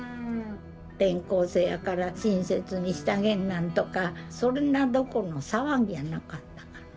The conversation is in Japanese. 転校生やから親切にしたげんなんとかそんなどころの騒ぎやなかったから。